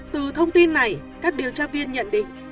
từ thông tin này các điều tra viên nhận định